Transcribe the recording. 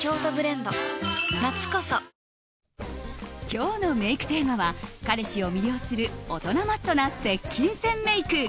今日のメイクテーマは彼氏を魅了する大人マットな接近戦メイク。